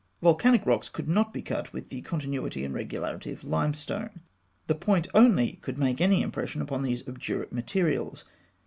Volcanic rocks could not be cut with the continuity and regularity of limestone. The point only could make any impression upon these obdurate materials.